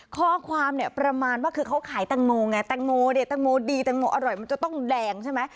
ข้อความเนี่ยประมาณว่าเค้าขายตังโมไงตังโมพี่ตังโมดีตังโมอร่อยจะต้องแดงใช่ไหม